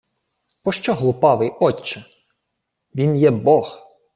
— Пощо глупавий, отче! Він є бог.